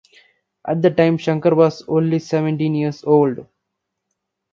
At that time Shankar was only seventeen years old.